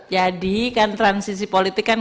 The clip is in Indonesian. jadi kan transisi politik kan